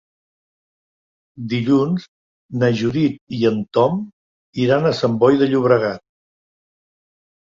Dilluns na Judit i en Tom iran a Sant Boi de Llobregat.